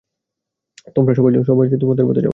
তোমরা সবাই তোমাদের পথে যাও।